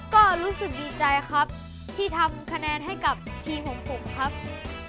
ก็รู้สึกดีใจครับที่ทำคะแนนให้กับทีมของผมครับ